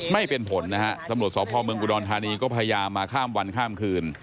ไม่เป็นผลนะฮะตำรวจสพเมืองอุดรธานีก็พยายามมาข้ามวันข้ามคืน